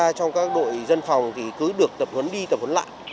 chúng ta trong các đội dân phòng thì cứ được tập huấn đi tập huấn lại